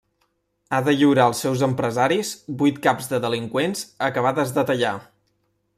Ha de lliurar als seus empresaris vuit caps de delinqüents acabades de tallar.